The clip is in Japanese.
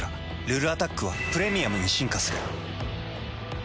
「ルルアタック」は「プレミアム」に進化する。